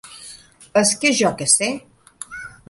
És que jo què sé.